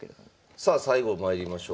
さあ最後まいりましょう。